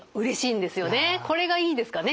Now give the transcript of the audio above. これがいいんですかね。